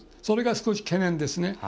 それが少し懸念ですね。